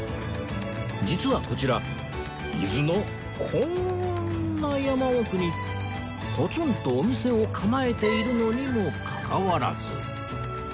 実はこちら伊豆のこんな山奥にポツンとお店を構えているのにもかかわらず